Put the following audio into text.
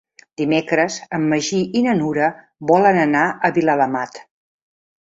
Dimecres en Magí i na Nura volen anar a Viladamat.